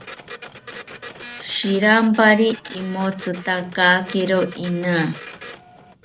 Shirampari imotzitakakiro ina